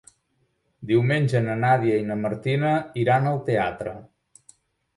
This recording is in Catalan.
Diumenge na Nàdia i na Martina iran al teatre.